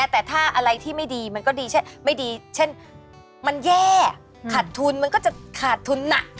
แต่ถ้าอะไรที่ไม่ดีมันก็ดีเช่นไม่ดีเช่นมันแย่ขาดทุนมันก็จะขาดทุน